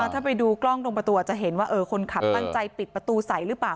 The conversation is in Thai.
ถ้าไปดูกล้องตรงประตูอาจจะเห็นว่าคนขับตั้งใจปิดประตูใส่หรือเปล่า